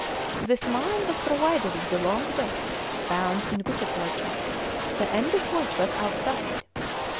This mine was provided with a long wick, bound in gutta percha, the end of which was outside.